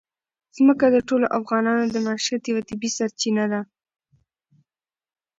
ځمکه د ټولو افغانانو د معیشت یوه طبیعي سرچینه ده.